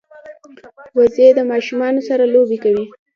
وزې د ماشومانو سره لوبې کوي